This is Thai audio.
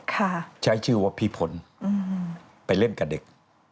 ใครที่ชื่อว่าพี่ผลไปเล่นกับเด็ก